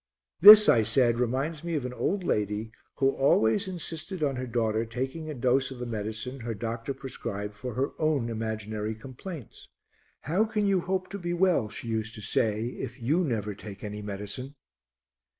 "This," I said, "reminds me of an old lady who always insisted on her daughter taking a dose of the medicine her doctor prescribed for her own imaginary complaints. 'How can you hope to be well,' she used to say, 'if you never take any medicine?'"